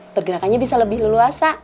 pergerakannya bisa lebih luluasa